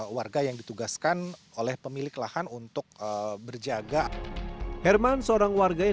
warga yang ditugaskan oleh pemilik lahan untuk berjaga herman seorang warga yang